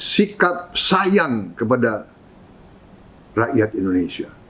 sikap sayang kepada rakyat indonesia